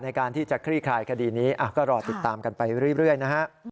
ในการที่จะคลี่คลายคดีนี้ก็รอติดตามกันไปเรื่อยนะฮะ